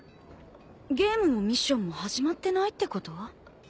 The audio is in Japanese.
ゲームもミッションも始まってないってこと？